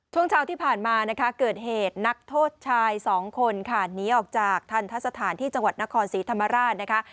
ช่วงเช้าที่ผ่านมานะคะเกิดเหตุนักโทษชายสองคนค่ะหนีออกจากทันทสถานที่จังหวัดนครศรีธรรมราชนะคะ